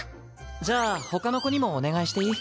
じゃあほかの子にもお願いしていい？